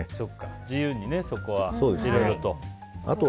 自由にそこはいろいろと。